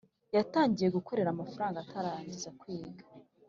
yatangiye gukorera amafaranga atararangiza kwiga,